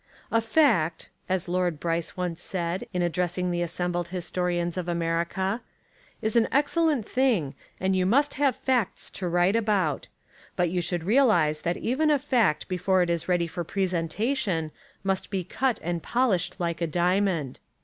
"A fact," as Lord Bryce once said in addressing the assembled historians of Amer ica, "is an excellent thing and you must have facts to write about; but you should realise that even a fact before it is ready for presentation must be cut and polished like a diamond."